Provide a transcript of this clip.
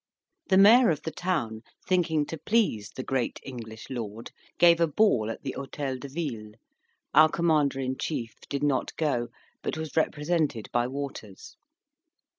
The mayor of the town, thinking to please "the great English lord," gave a ball at the Hotel de Ville: our Commander in Chief did not go but was represented by Waters.